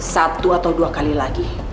satu atau dua kali lagi